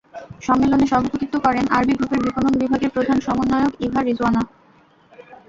সম্মেলনে সভাপতিত্ব করেন আরবি গ্রুপের বিপণন বিভাগের প্রধান সমন্বয়ক ইভা রিজওয়ানা।